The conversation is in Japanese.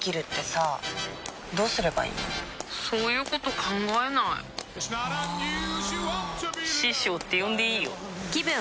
そういうこと考えないあ師匠って呼んでいいよぷ